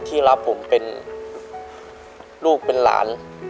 ที่รักผมเป็นลูกเป็นหลาน